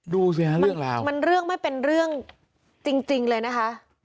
ดูสิฮะเรื่องราวมันเรื่องไม่เป็นเรื่องจริงเลยนะคะ